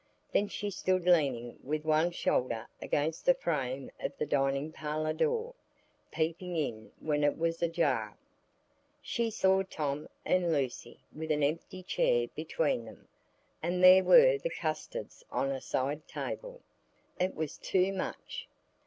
Then she stood leaning with one shoulder against the frame of the dining parlour door, peeping in when it was ajar. She saw Tom and Lucy with an empty chair between them, and there were the custards on a side table; it was too much.